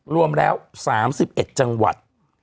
รวมแล้ว๓๑จังหวัด